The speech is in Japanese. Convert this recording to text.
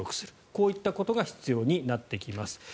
こういったことが必要になってきます。